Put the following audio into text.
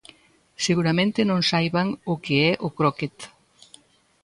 Seguramente non saiban o que é o croquet.